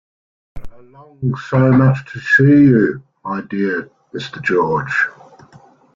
But I longed so much to see you, my dear Mr. George.